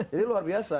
jadi luar biasa